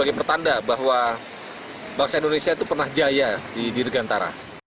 indonesia itu pernah jaya di dirgantara